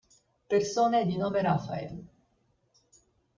Persone di nome Raphael